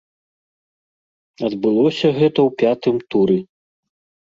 Адбылося гэта ў пятым туры.